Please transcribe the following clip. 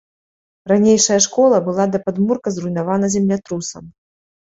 Ранейшая школа была да падмурка зруйнавана землятрусам.